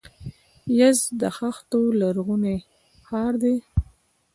یزد د خښتو لرغونی ښار دی.